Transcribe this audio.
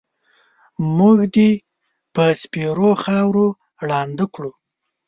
مونږ دې په سپېرو خاورو ړانده کړو